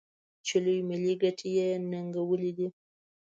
چې لویې ملي ګټې یې ننګولي دي.